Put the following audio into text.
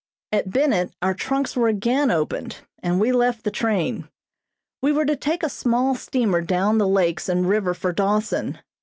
At Bennett our trunks were again opened, and we left the train. We were to take a small steamer down the lakes and river for Dawson.